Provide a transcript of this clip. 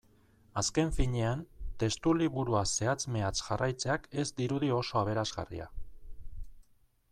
Azken finean, testuliburua zehatz-mehatz jarraitzeak ez dirudi oso aberasgarria.